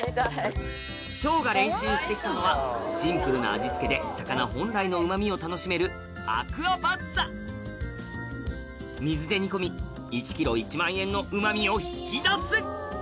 しょうが練習してきたのはシンプルな味付けで魚本来のうまみを楽しめる水で煮込み１ｋｇ１万円のうまみを引き出す！